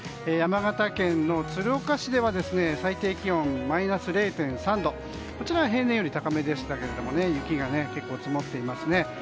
山形県の鶴岡市では最低気温マイナス０．３度こちらは平年より高めでしたが雪が結構、積もっていますね。